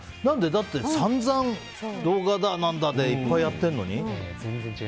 だって散々動画だなんだっていっぱいやってるのに。